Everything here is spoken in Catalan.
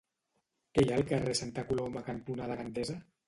Què hi ha al carrer Santa Coloma cantonada Gandesa?